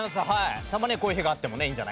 たまにはこういう日があってもねいいんじゃないかな。